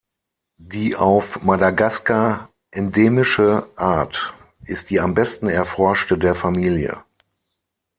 Die auf Madagaskar endemische Art ist die am besten erforschte der Familie.